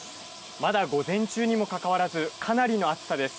まだ午前中にもかかわらずかなりの暑さです。